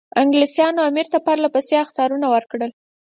انګلیسانو امیر ته پرله پسې اخطارونه ورکول.